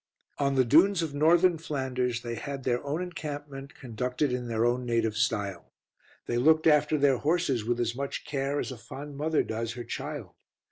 On the dunes of Northern Flanders they had their own encampment, conducted in their own native style. They looked after their horses with as much care as a fond mother does her child.